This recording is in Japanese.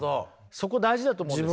そこ大事だと思うんですよね。